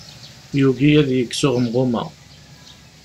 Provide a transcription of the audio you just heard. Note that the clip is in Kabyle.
Yugi ad yekkes uɣemɣum-a.